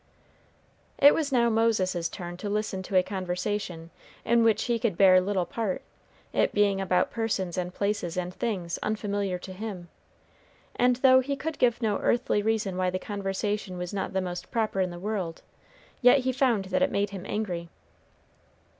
It was now Moses's turn to listen to a conversation in which he could bear little part, it being about persons and places and things unfamiliar to him; and though he could give no earthly reason why the conversation was not the most proper in the world, yet he found that it made him angry.